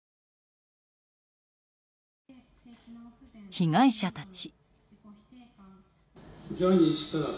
被害者たち。